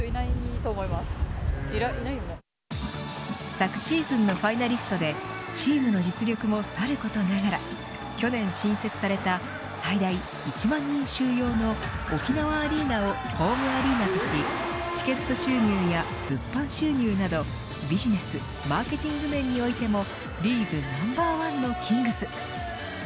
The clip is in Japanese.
昨シーズンのファイナリストでチームの実力もさることながら去年、新設された最大１万人収容の沖縄アリーナをホームアリーナとしチケット収入や物販収入などビジネスマーケティング面においてもリーグナンバーワンのキングス。